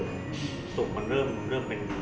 มันประกอบกันแต่ว่าอย่างนี้แห่งที่